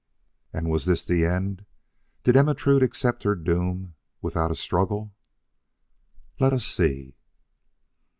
And was this the end? Did Ermentrude accept her doom without a struggle? Let us see.